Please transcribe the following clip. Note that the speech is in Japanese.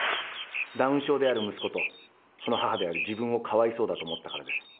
ダウン症である息子とその母である自分をかわいそうだと思ったからです